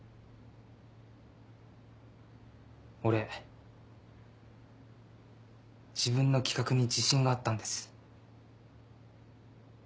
俺自分の企画に自信があったんです。